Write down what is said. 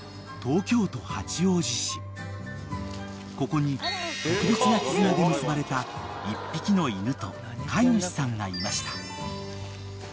［ここに特別な絆で結ばれた１匹の犬と飼い主さんがいました］